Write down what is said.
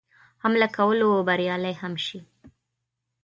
حمله کولو بریالی هم شي.